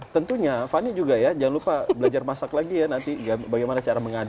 tentunya fanny juga ya jangan lupa belajar masak lagi ya nanti bagaimana cara mengaduk